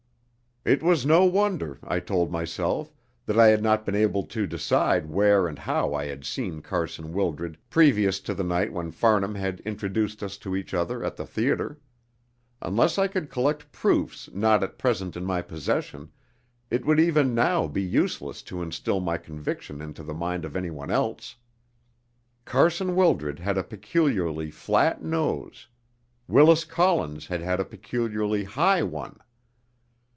It was no wonder, I told myself, that I had not been able to decide where and how I had seen Carson Wildred previous to the night when Farnham had introduced us to each other at the theatre. Unless I could collect proofs not at present in my possession, it would even now be useless to instill my conviction into the mind of anyone else. Carson Wildred had a peculiarly flat nose; Willis Collins had had a particularly high one.